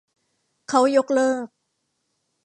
เค้ายกเลิก